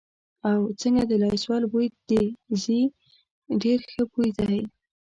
او، څنګه د لایسول بوی دې ځي، ډېر ښه بوی دی.